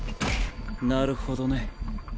なるほどね。